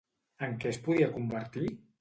En què es podia convertir?